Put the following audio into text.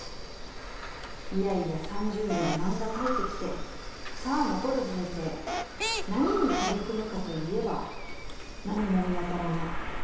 「いやいや３０年漫画描いてきてさあ残る人生何に取り組むかといえば何も見当たらない」